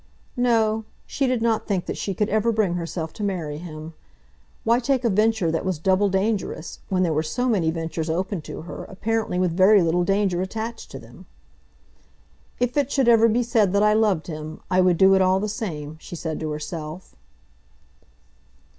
No; she did not think that she could ever bring herself to marry him. Why take a venture that was double dangerous, when there were so many ventures open to her, apparently with very little of danger attached to them? "If it should ever be said that I loved him, I would do it all the same," she said to herself.